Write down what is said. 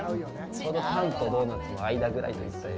ちょうどパンとドーナツの間ぐらいといった。